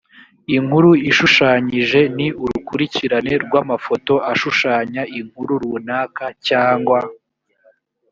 inkuru ishushanyije ni urukurikirane rw amafoto ashushanya inkuru runaka cyangwa